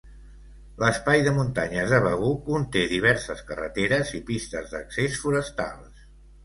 L'Espai de Muntanyes de Begur conté diverses carreteres i pistes d’accés forestals.